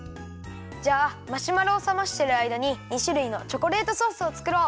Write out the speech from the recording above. じゃあマシュマロをさましてるあいだに２しゅるいのチョコレートソースをつくろう。